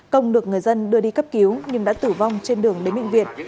công được người dân đưa đi cấp cứu nhưng đã tử vong trên đường đến bệnh viện